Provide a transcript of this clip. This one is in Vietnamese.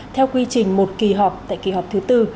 theo quy trình một kỳ họp tại kỳ họp thứ tư